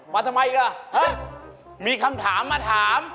มาทำไมอีกอ่ะเฮ้ยมีคำถามมาถาม